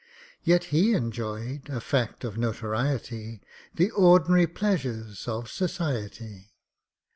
Yet he enjoyed (a fact of notoriety) The ordinary pleasures of society.